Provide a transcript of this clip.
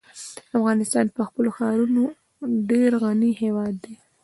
افغانستان په خپلو ښارونو ډېر غني هېواد دی.